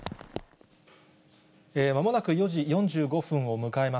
まもなく４時４５分を迎えま